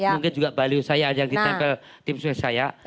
mungkin juga balius saya ada yang ditempel tim swasta saya